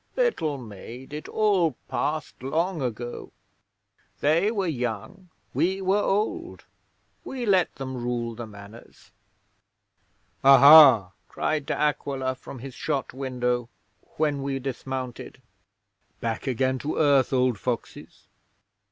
'Little maid, it all passed long ago. They were young; we were old. We let them rule the Manors. "Aha!" cried De Aquila from his shot window, when we dismounted. "Back again to earth, old foxes?"